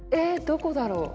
どこだろう。